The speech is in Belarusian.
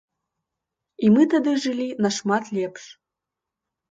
І мы тады жылі нашмат лепш.